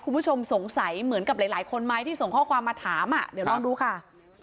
คุณผู้ชมสงสัยเหมือนกับหลายหลายคนไหมที่ส่งข้อความมาถามอ่ะเดี๋ยวลองดูค่ะ